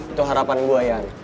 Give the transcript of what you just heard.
itu harapan gue yan